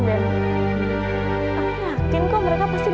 mama yakin kok mereka pasti datang